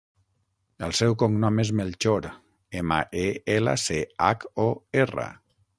El seu cognom és Melchor: ema, e, ela, ce, hac, o, erra.